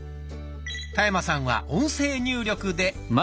田山さんは音声入力で。